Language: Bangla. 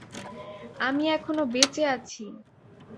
আমি এখনও বেঁচে আছি!